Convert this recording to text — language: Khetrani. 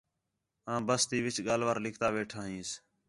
آں بَس تی وِچ ڳالھ وار لِکھتا ویٹھا ہینس